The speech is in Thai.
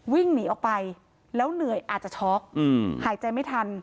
วิ่งหนีออกไปแล้วเหนื่อยอาจจะช็อกหายใจไม่ทัน